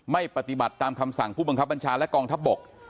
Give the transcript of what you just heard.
ไม่ปฏิบัติตามคำสั่งผู้บังคับบัญชาและกองทัพบก